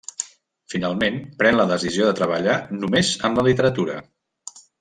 Finalment, pren la decisió de treballar només en la literatura.